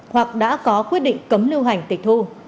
hoặc đã có quyết định cấm lưu hành tịch thu